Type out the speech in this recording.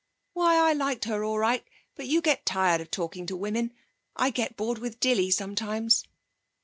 'Why, I like her all right, but you get tired of talking to women. I get bored with Dilly sometimes.'